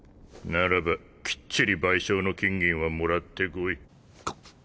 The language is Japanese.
ならばきっちり賠償の金銀はもらってこい。